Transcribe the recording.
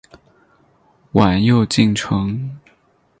晚又进城。